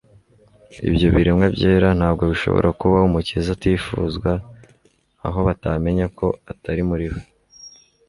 Ibyo biremwa byera ntabwo bishobora kuba aho Umukiza atifuzwa aho batamenya ko atari muri bo.